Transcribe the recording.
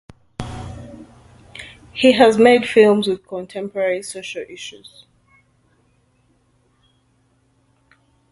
He has made films with contemporary social issues.